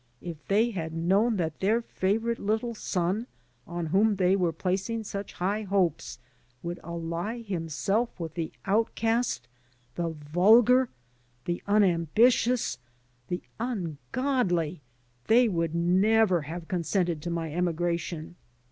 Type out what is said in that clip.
If they had known that their favorite little son, on whom they were placing such high hopes, would ally himself with the outcast, the vulgar, the unambitious, the ungodly, they would never have consented to my emigration.